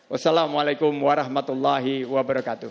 wassalamualaikum warahmatullahi wabarakatuh